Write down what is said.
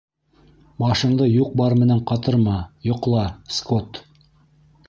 — Башыңды юҡ-бар менән ҡатырма, йоҡла, Скотт.